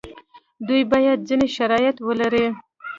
دوی باید ځینې شرایط ولري.